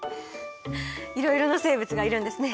いろいろな生物がいるんですね。